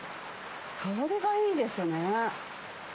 香りがいいですよね。